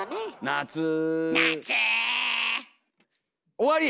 終わりや！